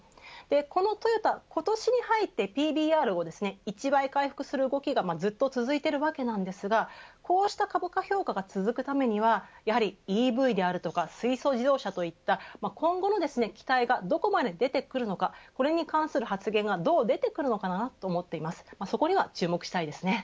このトヨタ今年に入ってＰＢＲを１倍回復する動きがずっと続いているわけですがこうした株価評価が続くためにはやはりＥＶであるとか水素自動車といった今後の期待がどこまで出てくるのかこれに関する発言がどう出てくるのかなと思っています。